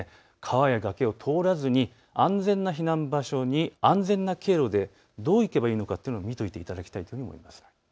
川や崖を通らずに安全な避難場所に安全な経路でどう行けばいいのかというのを見ておいていただきたいというふうに思います。